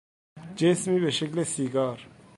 جسمی به شکل سیگار